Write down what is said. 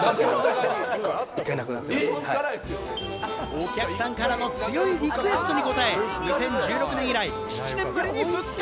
お客さんからの強いリクエストに応え、２０１６年以来、７年ぶりに復活。